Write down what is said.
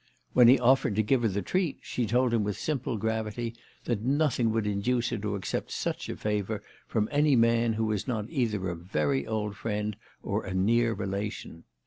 When he offered to give her the treat, she told him with simple gravity that nothing would induce her to accept such a favour from any man who was not either a very old friend or a near relation.